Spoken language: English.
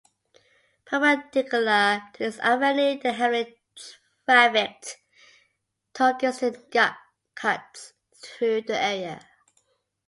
Perpendicular to this avenue, the heavily trafficked Torsgatan cuts through the area.